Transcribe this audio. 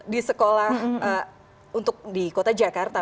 di sekolah untuk di kota jakarta